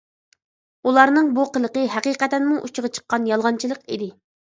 ئۇلارنىڭ بۇ قىلىقى ھەقىقەتەنمۇ ئۇچىغا چىققان يالغانچىلىق ئىدى.